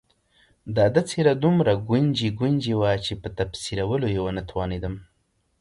د ده څېره دومره ګونجي ګونجي وه چې په تفسیرولو یې ونه توانېدم.